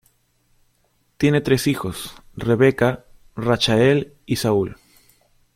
Tiene tres hijos: Rebecca, Rachael y Saul.